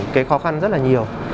cái khó khăn rất là nhiều